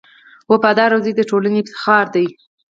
• وفادار زوی د ټولنې افتخار دی.